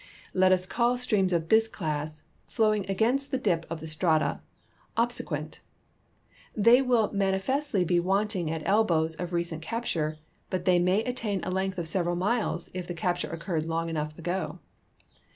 Let us call streams of this class, flowing against the dip of the strata, obsequent. They will mani festly ])e wanting at elbows of recent capture, but they may attain a length of several miles if the capture occurred long enough ago.